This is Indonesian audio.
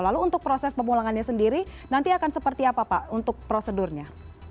lalu untuk proses pemulangannya sendiri nanti akan seperti apa pak untuk prosedurnya